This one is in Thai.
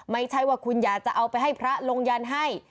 ไม่ใช่ว่าคุณอยากจะเอาไปให้พระลงยันให้